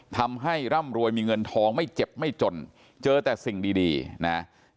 ร่ำรวยมีเงินทองไม่เจ็บไม่จนเจอแต่สิ่งดีนะ